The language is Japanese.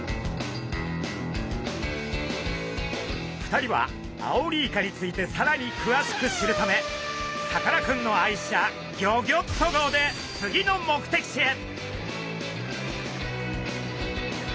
２人はアオリイカについてさらにくわしく知るためさかなクンの愛車ギョギョッと号で次の目的地へ！